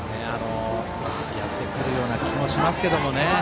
やってくるような気もしますけれどもね。